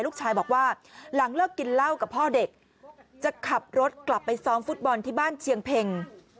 ลูกชายบอกว่าหลังเลิกกินเหล้ากับพ่อเด็กจะขับรถกลับไปซ้อมฟุตบอลที่บ้านเชียงเพ็ง